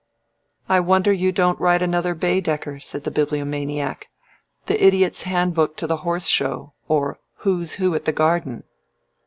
"I wonder you don't write another Baedeker," said the Bibliomaniac "_The Idiot's Hand book to the Horse Show, or Who's Who at the Garden.